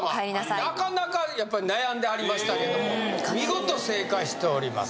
なかなかやっぱり悩んではりましたけれども見事正解しております